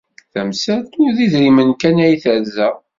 Tamsalt ur d idrimen kan ay terza.